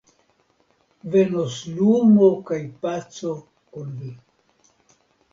Venos lumo kaj paco kun vi.